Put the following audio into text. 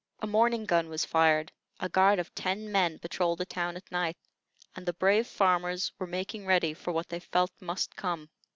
A morning gun was fired, a guard of ten men patrolled the town at night, and the brave farmers were making ready for what they felt must come.